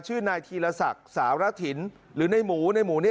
ชื่อนายธีรศักดิ์สารถิ่นหรือในหมูในหมูนี่